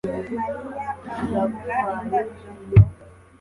Mariya ahumura indabyo